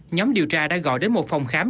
nhóm điều tra đã gọi đến một phòng khám